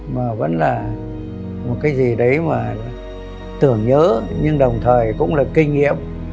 mà vẫn là một cái gì đấy mà tưởng nhớ nhưng đồng thời cũng là kinh nghiệm